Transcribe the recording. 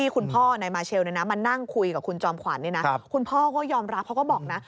คุณพ่อก็ยอมรับเพราะก็บอกนะ